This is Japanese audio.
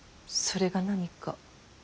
それが何か。